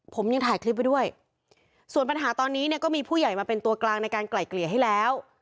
ผมยังถ่ายคลิปไว้ด้วยส่วนปัญหาตอนนี้เนี่ยก็มีผู้ใหญ่มาเป็นตัวกลางในการไกล่เกลี่ยให้แล้ว